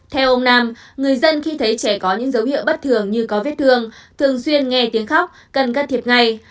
theo ông nam người dân khi thấy trẻ có những dấu hiệu bất thường như có vết thương thường xuyên nghe tiếng khóc cần can thiệp ngay